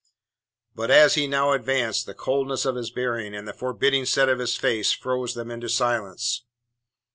But as he now advanced, the coldness of his bearing and the forbidding set of his face froze them into silence.